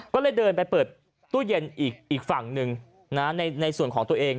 ก็เลยเดินไปเปิดตู้เย็นอีกฝั่งหนึ่งในส่วนของตัวเอง